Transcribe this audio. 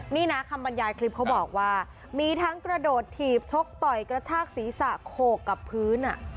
นี่นะคำบรรยายคลิปเขาบอกว่ามีทั้งกระโดดถีบชกต่อยกระชากศีรษะโขกกับพื้น